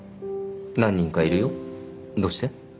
何人かいるよどうして？